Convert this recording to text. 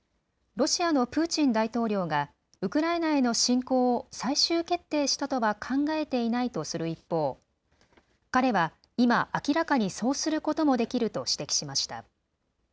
ロシアのプーチン大統領がウクライナへの侵攻を最終決定したとは考えていないとする一方、彼は今、明らかにそうすることもできると指摘しました。